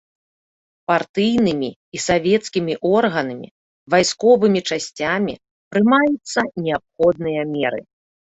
Партыйнымі і савецкімі органамі, вайсковымі часцямі прымаюцца неабходныя меры.